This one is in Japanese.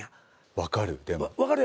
分かる。